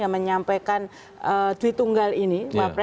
menyampaikan duit tunggal ini